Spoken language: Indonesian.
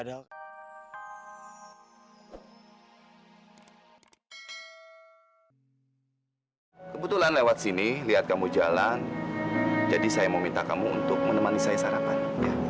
dari bulannya dibawa sama seorang laki laki dan gak tahu kemana sampai sekarang